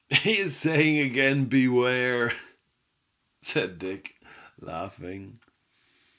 "He is saying again beware!" said Dick, laughing.